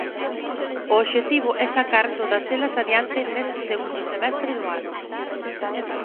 O obxectivo é sacar todas elas adiante neste segundo semestre do ano.